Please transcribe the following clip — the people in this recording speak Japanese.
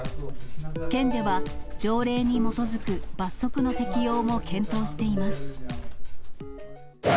県では、条例に基づく罰則の適用も検討しています。